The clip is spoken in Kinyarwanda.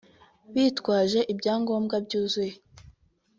bitwaje ibyangombwa byuzuye